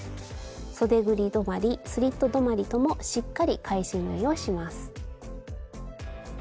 そでぐり止まりスリット止まりともしっかり返し縫いをします。